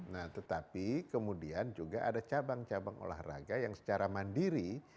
nah tetapi kemudian juga ada cabang cabang olahraga yang secara mandiri